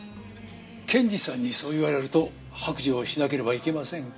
検事さんにそう言われると白状しなければいけませんか？